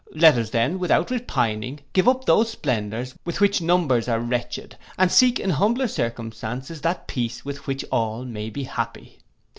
Let us then, without repining, give up those splendours with which numbers are wretched, and seek in humbler circumstances that peace with which all may be happy.